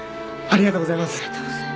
ありがとうございます。